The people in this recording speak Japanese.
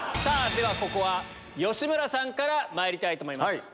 ではここは吉村さんからまいりたいと思います。